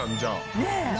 ねえ。